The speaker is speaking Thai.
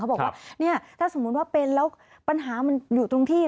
บอกว่าเนี่ยถ้าสมมุติว่าเป็นแล้วปัญหามันอยู่ตรงที่